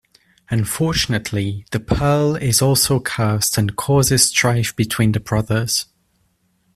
Unfortunately, the pearl is also cursed and causes strife between the brothers.